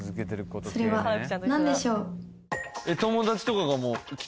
それは何でしょう？